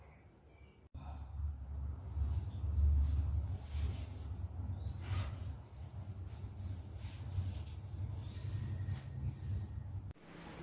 แบบไวนำในว่างภาษาแกจะอยู่